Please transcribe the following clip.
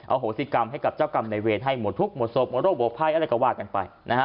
โหสิกรรมให้กับเจ้ากรรมในเวรให้หมดทุกข์หมดศพหมดโรคหมดภัยอะไรก็ว่ากันไปนะฮะ